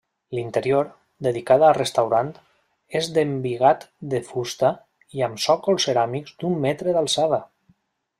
L'interior, dedicat a restaurant, és d'embigat de fusta i amb sòcols ceràmics d'un metre d'alçada.